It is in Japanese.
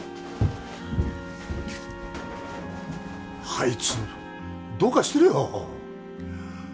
あいつどうかしてるよ